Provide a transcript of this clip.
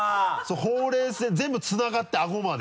ほうれい線全部つながってアゴまで。